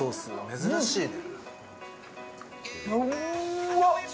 珍しいね。